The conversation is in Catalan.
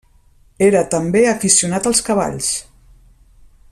Era també aficionat als cavalls.